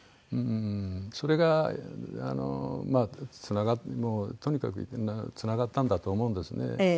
それがまあとにかくつながったんだと思うんですね。